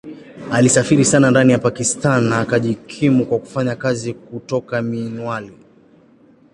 Alisafiri sana ndani ya Pakistan na akajikimu kwa kufanya kazi kutoka Mianwali.